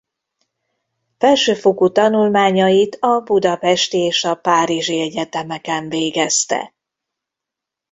Felsőfokú tanulmányait a budapesti és a párizsi egyetemeken végezte.